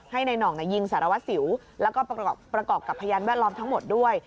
ให้นายหน่องยิงสารวัสสิวแล้วก็ประกอบกับพยานแวดล้อมทั้งหมดด้วย